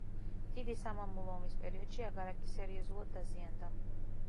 დიდი სამამულო ომის პერიოდში აგარაკი სერიოზულად დაზიანდა.